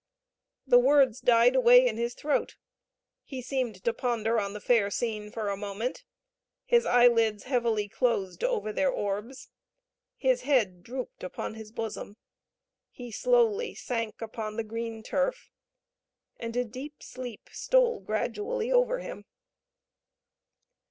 The words died away in his throat he seemed to ponder on the fair scene for a moment his eyelids heavily closed over their orbs his head drooped upon his bosom he slowly sank upon the green turf, and a deep sleep stole gradually over him.